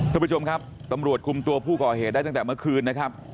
ทุกผู้ชมครับตำรวจคุมตัวผู้ก่อเหตุได้ตั้งแต่เมื่อคืนนะครับ